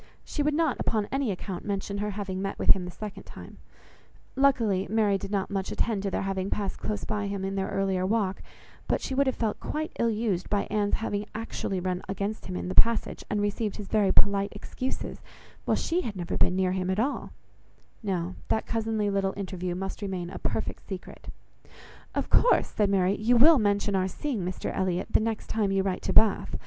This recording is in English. She would not, upon any account, mention her having met with him the second time; luckily Mary did not much attend to their having passed close by him in their earlier walk, but she would have felt quite ill used by Anne's having actually run against him in the passage, and received his very polite excuses, while she had never been near him at all; no, that cousinly little interview must remain a perfect secret. "Of course," said Mary, "you will mention our seeing Mr Elliot, the next time you write to Bath.